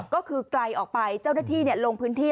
ก็คือไกลออกไปเจ้าหน้าที่ลงพื้นที่